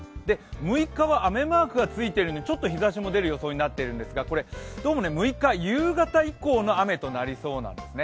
６日は雨マークがついてるのでちょっと日ざしも出る予想になっているんですがどうも６日夕方以降の雨となりそうなんですね。